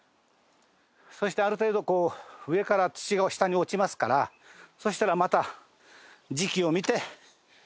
そしてある程度こう上から土が下に落ちますからそしたらまた時期を見て盛り土をしてあげる。